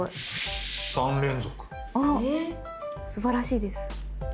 あっすばらしいです。